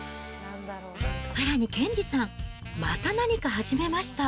さらに兼次さん、また何か始めました。